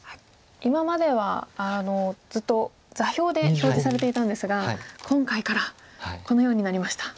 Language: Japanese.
今まではずっと座標で表示されていたんですが今回からこのようになりました。